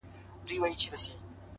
د سلگيو ږغ يې ماته را رسيږي _